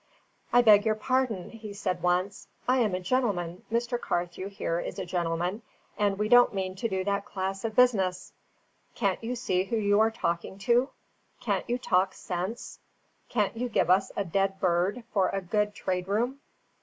"I beg your pardon," he said once. "I am a gentleman, Mr. Carthew here is a gentleman, and we don't mean to do that class of business. Can't you see who you are talking to? Can't you talk sense? Can't you give us 'a dead bird' for a good traderoom?"